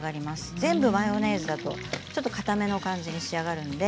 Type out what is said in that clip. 全部マヨネーズだとちょっとかための感じで仕上がります。